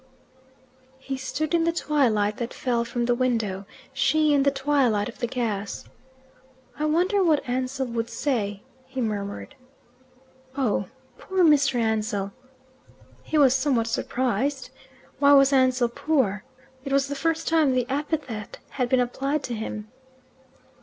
He stood in the twilight that fell from the window, she in the twilight of the gas. "I wonder what Ansell would say," he murmured. "Oh, poor Mr. Ansell!" He was somewhat surprised. Why was Ansell poor? It was the first time the epithet had been applied to him.